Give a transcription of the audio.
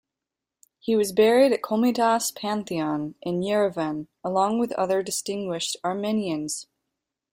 He was buried at Komitas Pantheon, in Yerevan, along with other distinguished Armenians.